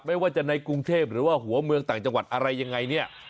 ไม่ว่าจะในกรุงเทพหรือว่าหัวเมืองต่างจังหวัดอะไรยังไงเนี่ย